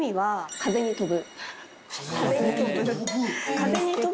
風に飛ぶ。